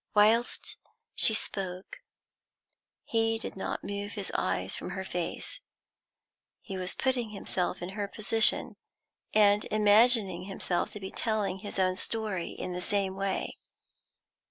Whilst she spoke, he did not move his eyes from her face. He was putting himself in her position, and imagining himself to be telling his own story in the same way.